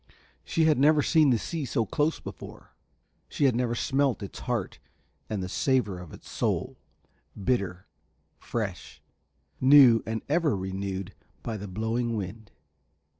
She had never seen the sea so close before, she had never smelt its heart and the savour of its soul; bitter, fresh, new and ever renewed by the blowing wind.